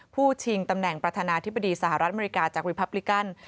ชิงตำแหน่งประธานาธิบดีสหรัฐอเมริกาจากรีพับลิกัน